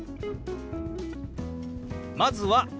まずは「私」。